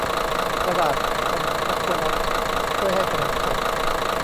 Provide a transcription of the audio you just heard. กระดาษห่อช็อคโกแลตช่วยให้ขนมสด